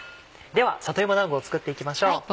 では里芋だんごを作っていきましょう。